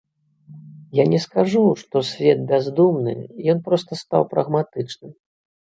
Я не скажу, што свет бяздумны, ён проста стаў прагматычным.